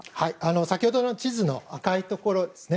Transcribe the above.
先ほどの地図の赤いところですね